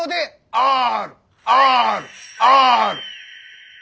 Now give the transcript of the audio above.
ある！